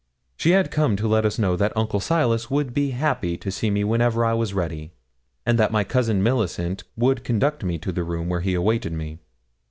She had come to let us know that Uncle Silas would be happy to see me whenever I was ready; and that my cousin Millicent would conduct me to the room where he awaited me.